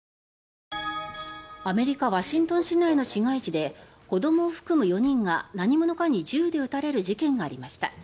アメリカ・ワシントン市内の市街地で、子どもを含む４人が何者かに銃で撃たれる事件がありました。